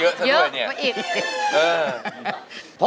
โอ้โห